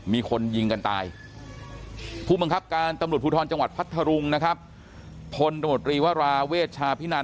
มีคนยิงกันตายผู้บังคับการตำลุดภูทรจังหวัดพัทธรุงนะครับ